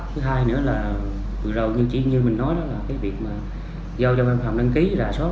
thứ hai nữa là vừa đầu như chỉ như mình nói đó là cái việc mà do cho ban phòng đăng ký ra sốt